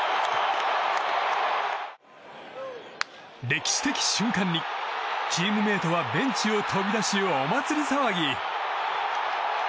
歴史的瞬間にチームメートはベンチを飛び出し、お祭り騒ぎ。